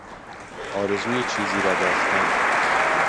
آرزوی چیزی را داشتن